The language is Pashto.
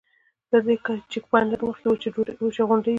تر دې چیک پواینټ لږ مخکې وچې غونډۍ وې.